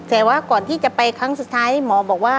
แต่ว่าก่อนที่จะไปครั้งสุดท้ายหมอบอกว่า